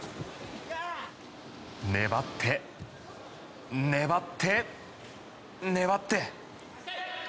粘って、粘って、粘って。